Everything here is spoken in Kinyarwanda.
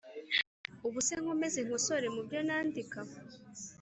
ubuse nkomeze nkosore mu byo nandikaga